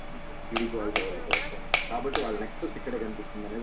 How is your brother doing Suresh?